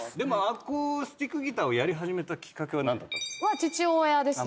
アコースティックギターをやり始めたきっかけは何だったんですか？